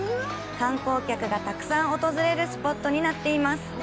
観光客がたくさん訪れるスポットになっています。